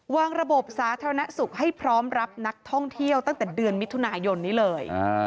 วางระบบสาธารณสุขให้พร้อมรับนักท่องเที่ยวตั้งแต่เดือนมิถุนายนนี้เลย